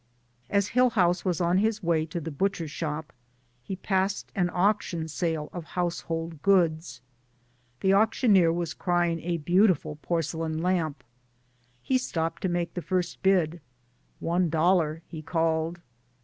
As Hillhouse was on his way to the butcher shop, he passed an auction sale of household goods. The auctioneer was cry ing a beautiful porcelain lamp. He stopped to make the first bid. "One dollar" he called.